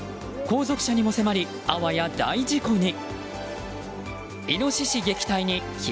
後続車にも迫りあわや大事故に。